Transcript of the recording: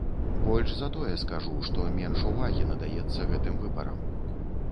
Больш за тое скажу, што менш увагі надаецца гэтым выбарам.